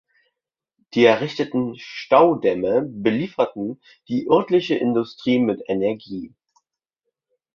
Die errichteten Staudämme belieferten die örtliche Industrie mit Energie.